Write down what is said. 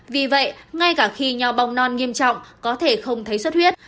vì vậy ngay cả khi nhau bong non nghiêm trọng có thể không thấy xuất huyết